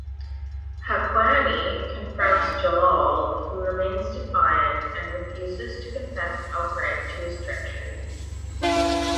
Haqqani confronts Jalal who remains defiant and refuses to confess outright to his treachery.